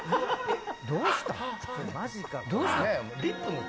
どうしたん？